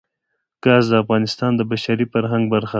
ګاز د افغانستان د بشري فرهنګ برخه ده.